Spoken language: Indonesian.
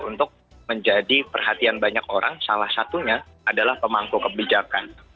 untuk menjadi perhatian banyak orang salah satunya adalah pemangku kebijakan